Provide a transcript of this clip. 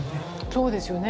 そうですよね。